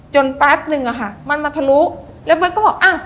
แป๊บนึงอะค่ะมันมาทะลุแล้วเบิร์ตก็บอกอ่ะ